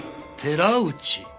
「寺内」